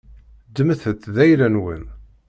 Ddmet-t d ayla-nwen.